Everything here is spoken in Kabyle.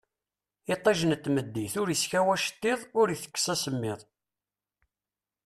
Itij n tmeddit ur iskaw acettiḍ ur itekkes asemmiḍ